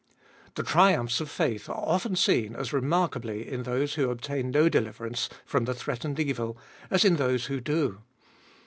The triumphs of faith are often seen as remarkably in those who obtain no deliverance from the threatened evil, as in those who do.